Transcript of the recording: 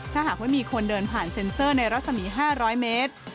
ถ้าหากว่ามีคนเดินผ่านเซ็นเซอร์ในรัศมี๕๐๐เมตร